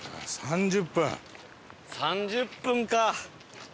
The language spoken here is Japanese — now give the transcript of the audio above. ３０分か。